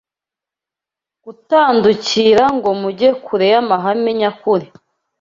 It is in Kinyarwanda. gutandukira ngo mujye kure y’amahame nyakuri.